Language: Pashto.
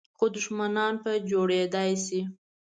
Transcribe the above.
خو دښمنان په جوړېدای شي .